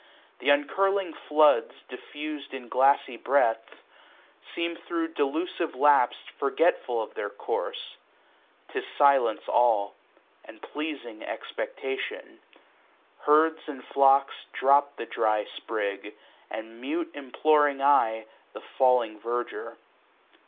Th' uncurling floods, diflFiis'd In glassy breadth, seem thro' delusive lapse Forgetful of their course. 'Tis silence all, 160 And pleadng expectation. Herds and flocks Drop the dry sprig, and mute imploring eye The falling verdure.